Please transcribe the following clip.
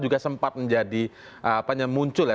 juga sempat menjadi muncul ya